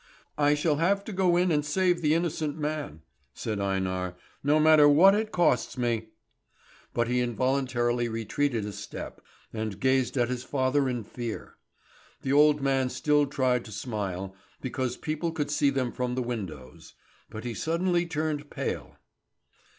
"I shall have to go in and save the innocent man," said Einar, "no matter what it costs me." But he involuntarily retreated a step, and gazed at his father in fear. The old man still tried to smile, because people could see them from the windows; but he suddenly turned pale.